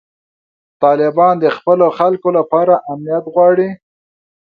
طالبان د خپلو خلکو لپاره امنیت غواړي.